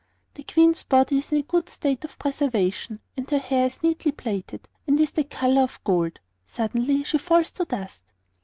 The Queen's body is in a good state of preservation, and her hair is neatly plaited, and is of the colour of gold. Suddenly she falls to dust.